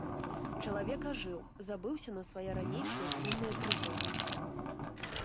Чалавек ажыў, забыўся на свае ранейшыя сумныя трывогі.